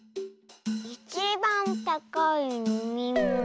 いちばんたかいのみもの。